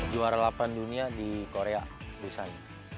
juara delapan dunia di korea busan